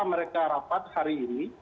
mereka rapat hari ini